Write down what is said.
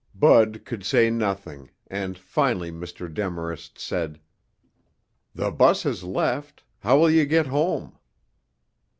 Bud could say nothing, and finally Mr. Demarest said, "The bus has left. How will you get home?"